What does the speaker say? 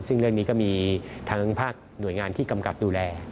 ซึ่งเรื่องนี้ก็มีทั้งภาคหน่วยงานที่กำกับดูแล